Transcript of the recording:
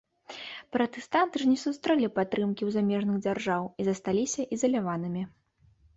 Пратэстанты ж не сустрэлі падтрымкі ў замежных дзяржаў і засталіся ізаляванымі.